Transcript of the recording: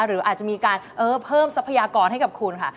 หรืออาจจะมีการเพิ่มทรัพยากรให้กับคุณค่ะ